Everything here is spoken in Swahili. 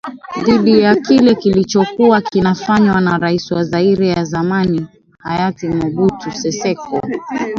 Dhidi ya kile kilichokuwa kinafanywa na Rais wa Zaire ya zamani hayati Mobutu Sesseseko